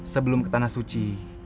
sebelum ke tanah suci